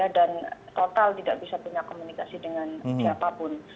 dan total tidak bisa punya komunikasi dengan siapapun